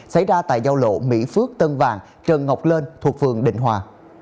xảy ra tại giao lộ mỹ phước tân vàng trần ngọc lên thuộc phường định hòa